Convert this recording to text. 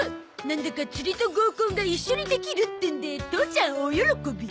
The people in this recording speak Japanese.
なんだか釣りと合コンが一緒にできるってんで父ちゃん大喜び。